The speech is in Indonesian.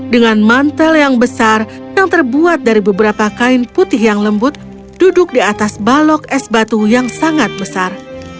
dengan mantel yang besar yang terbuat dari beberapa kain putih yang lembut duduk di atas balok es batu yang sangat besar